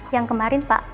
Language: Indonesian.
yang kemarin pak